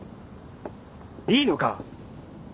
いいのか？